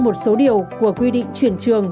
một số điều của quy định chuyển trường